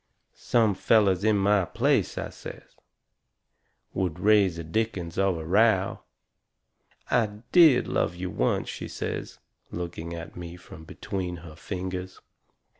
"Some fellers in my place," I says, "would raise a dickens of a row." "I DID love you once," she says, looking at me from between her fingers.